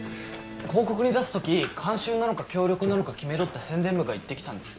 広告に出すとき監修なのか協力なのか決めろって宣伝部が言ってきたんです。